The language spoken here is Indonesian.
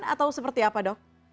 atau seperti apa dok